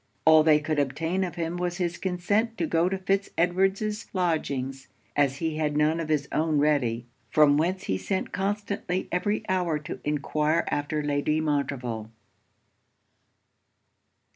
All they could obtain of him was his consent to go to Fitz Edward's lodgings, as he had none of his own ready; from whence he sent constantly every hour to enquire after Lady Montreville.